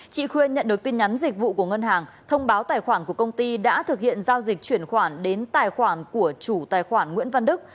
chị khuyên nhận được tin nhắn dịch vụ của ngân hàng thông báo tài khoản của công ty đã thực hiện giao dịch chuyển khoản đến tài khoản của chủ tài khoản nguyễn văn đức